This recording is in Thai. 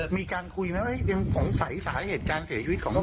มีการคุยไหมยังสงสัยสาเหตุการเสียชีวิตของน้อง